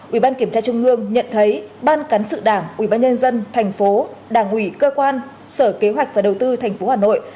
ubnd tp hà nội nhận thấy ban cán sự đảng ubnd tp đảng ủy cơ quan sở kế hoạch và đầu tư tp hà nội